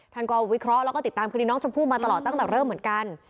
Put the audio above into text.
ท่านก็วิเคราะห์แล้วก็ติดตามคดีน้องชมพู่มาตลอดตั้งแต่เริ่มเหมือนกัน